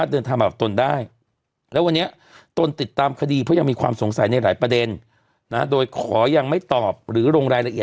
ปรากฏว่ายังไม่มีการผ่านหรือเนี้ยจริงหรือไม่ก่อนเนี้ย